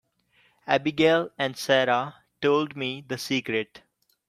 Abigail and Sara told me the secret.